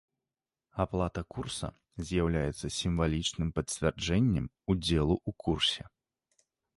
Аплата курса з'яўляецца сімвалічным пацвярджэннем удзелу ў курсе.